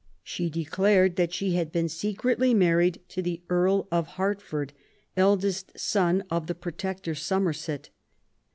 She declared that she had been secretly married to the Earl of Hertford, eldest son of the Protector Somerset.